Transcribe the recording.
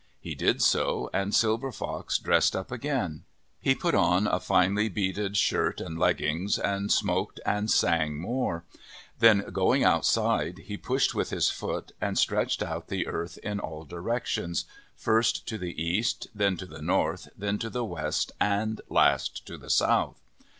He did so, and Silver Fox dressed up again. He put on a finely beaded shirt 22 O c c 1 7; n "0 O X o o o a h z OF THE PACIFIC NORTHWEST and leggings, and smoked and sang more. Then, going outside, he pushed with his foot, and stretched out the earth in all directions, first to the east, then to the north, then to the west, and last to the south.